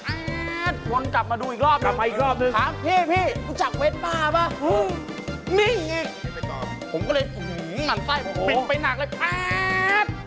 แซฟล้นกลับมาดูอีกรอบหนึ่งทำไมอีกรอบหนึ่งหาพี่รู้จักเวสป้าป่ะนิ่งอีกผมก็เลยหมานใส่ปิดไปหนักเลยแซฟ